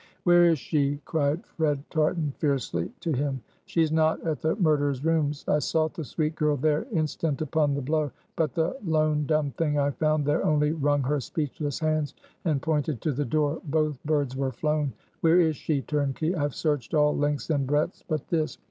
"Where is she?" cried Fred Tartan, fiercely, to him; "she's not at the murderer's rooms! I sought the sweet girl there, instant upon the blow; but the lone dumb thing I found there only wrung her speechless hands and pointed to the door; both birds were flown! Where is she, turnkey? I've searched all lengths and breadths but this.